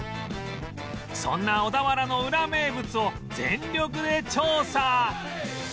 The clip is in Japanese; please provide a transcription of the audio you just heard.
そんな小田原のウラ名物を全力で調査！